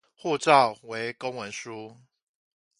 護照為公文書